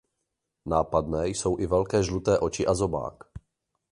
Nápadné jsou i velké žluté oči a zobák.